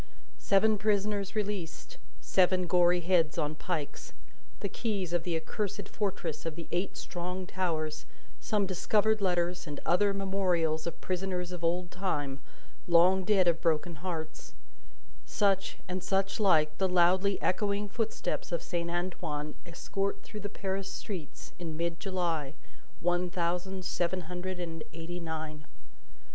Seven prisoners released, seven gory heads on pikes, the keys of the accursed fortress of the eight strong towers, some discovered letters and other memorials of prisoners of old time, long dead of broken hearts, such, and such like, the loudly echoing footsteps of Saint Antoine escort through the Paris streets in mid July, one thousand seven hundred and eighty nine.